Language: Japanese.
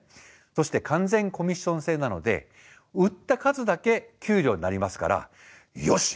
そして完全コミッション制なので売った数だけ給料になりますからよし！